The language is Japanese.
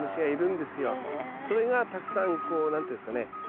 それがたくさんこう何て言うんですかね